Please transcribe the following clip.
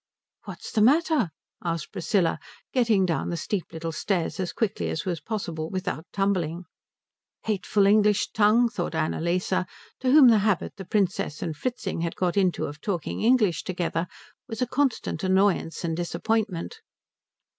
"What's the matter?" asked Priscilla, getting down the steep little stairs as quickly as was possible without tumbling. "Hateful English tongue," thought Annalise, to whom the habit the Princess and Fritzing had got into of talking English together was a constant annoyance and disappointment.